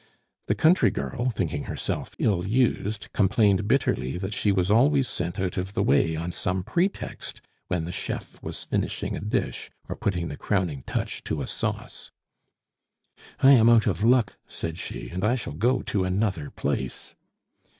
The country girl, thinking herself ill used, complained bitterly that she was always sent out of the way on some pretext when the chef was finishing a dish or putting the crowning touch to a sauce. "I am out of luck," said she, "and I shall go to another place."